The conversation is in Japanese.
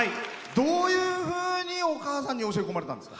どういうふうにお母さんに教え込まれたんですか？